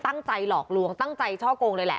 ตั้งใจหลอกหลวงตั้งใจช่อกงเลยละ